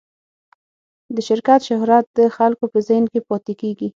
د شرکت شهرت د خلکو په ذهن کې پاتې کېږي.